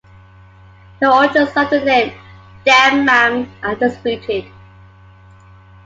The origins of the name "Dammam" are disputed.